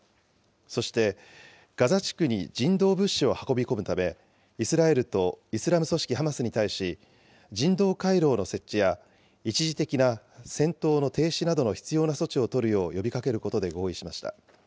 そしてガザ地区に人道物資を運び込むため、イスラエルとイスラム組織ハマスに対し、人道回廊の設置や、一時的な戦闘の停止などの必要な措置を取るよう呼びかけることで合意しました。